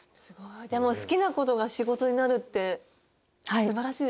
でも好きなことが仕事になるってすばらしいですよね。